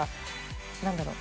何だろう？